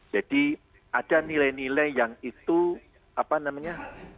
jadi ada nilai nilai yang itu apa namanya